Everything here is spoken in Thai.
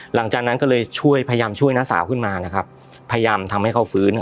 หลังจากนั้นก็เลยช่วยพยายามช่วยน้าสาวขึ้นมานะครับพยายามทำให้เขาฟื้น